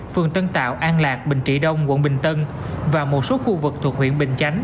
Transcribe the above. phường tân tạo an lạc bình trị đông quận bình tân và một số khu vực thuộc huyện bình chánh